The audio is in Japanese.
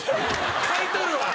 買い取るわ！